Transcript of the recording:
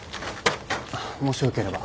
もしよければ。